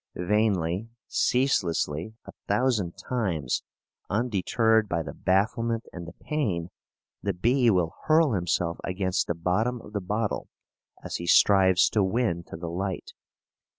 Vainly, ceaselessly, a thousand times, undeterred by the bafflement and the pain, the bee will hurl himself against the bottom of the bottle as he strives to win to the light.